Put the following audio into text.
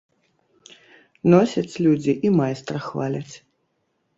Носяць людзі і майстра хваляць.